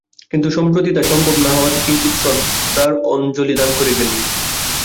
কিন্তু সম্প্রতি তা সম্ভব না হওয়াতে কিঞ্চিৎ শ্রদ্ধার অঞ্জলি দান করে গেলুম।